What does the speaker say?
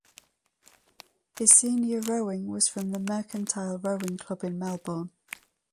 His senior rowing was from the Mercantile Rowing Club in Melbourne.